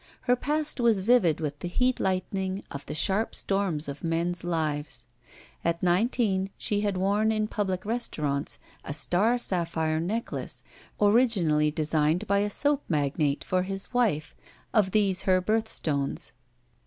Her past was vivid with the heat lightning of the sharp storms of men's lives. At nineteen she had worn in public restaurants a star sapphire necklace, originally de signed by a soap magnate for his wife, of these her birthstones.